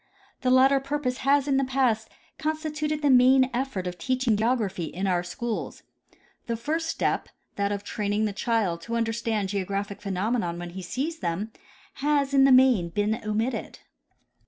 The latter purpose has in the past constituted the main effort of teaching geography in our schools. The first step, that of train ing the child to understand geographic phenomena when he sees them, has in the main been omitted.